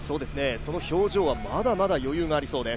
その表情はまだまだ余裕がありそうです。